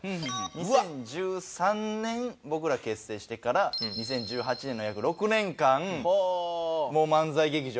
２０１３年僕ら結成してから２０１８年の約６年間もう漫才劇場